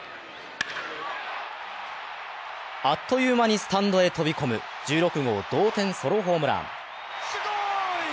あっという間にスタンドへ飛び込む１６号同点ソロホームラン。